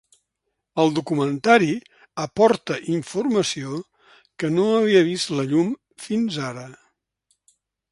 El documentari aporta informació que no havia vist la llum fins ara.